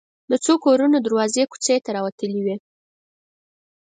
د څو کورونو دروازې کوڅې ته راوتلې وې.